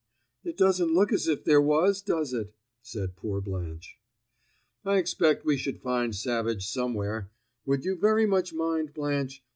"It doesn't look as if there was, does it?" said poor Blanche. "I expect we should find Savage somewhere. Would you very much mind, Blanche?